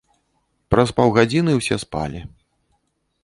Праз паўгадзіны ўсе спалі.